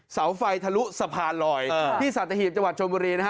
สาวไฟทะลุสะพานลอยที่สัตยาฮิพถ์จานชมเนี้ย